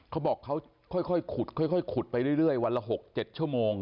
เขาบอกเขาค่อยขุดค่อยขุดไปเรื่อยวันละ๖๗ชั่วโมง